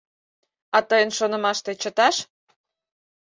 — А, тыйын шонымаште, чыташ?